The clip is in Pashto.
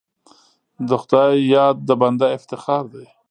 د خدای یاد د بنده افتخار دی.